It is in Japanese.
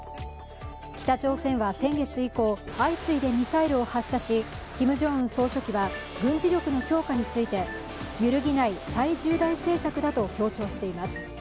北朝鮮は先月以降相次いでミサイルを発射しキム・ジョンウン総書記は軍事力の強化について揺るぎない超重大政策だと強調しています。